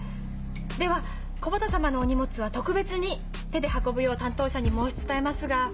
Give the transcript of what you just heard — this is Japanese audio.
では木幡様のお荷物は特別に手で運ぶよう担当者に申し伝えますが。